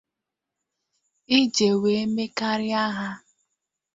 iji wee mee karịa ya.